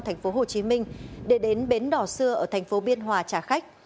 thành phố hồ chí minh để đến bến đỏ xưa ở thành phố biên hòa trả khách